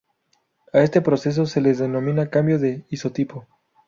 A este proceso se le denomina cambio de isotipo.